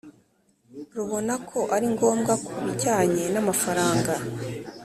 Rubona ko ari ngombwa ku bijyanye n amafaranga